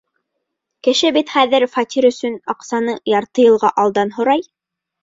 Кеше бит хәҙер фатир өсөн аҡсаны ярты йылға алдан һорай.